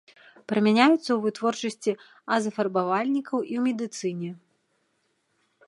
Прымяняюцца ў вытворчасці азафарбавальнікаў і ў медыцыне.